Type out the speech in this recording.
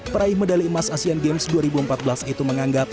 peraih medali emas asean games dua ribu empat belas itu menganggap